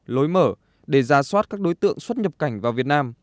lối mở để ra soát các đối tượng xuất nhập cảnh vào việt nam